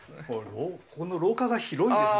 この廊下が広いですね。